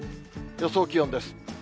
予想気温です。